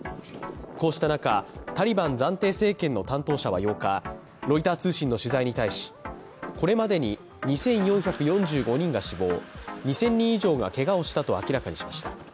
こうした中、タリバン暫定政権の担当者は８日、ロイター通信の取材に対し、これまでに２４４５人が死亡、２０００人以上がけがをしたと明らかにしました。